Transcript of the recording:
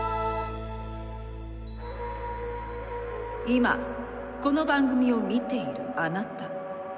今この番組を見ているあなた。